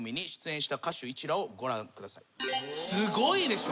すごいでしょ。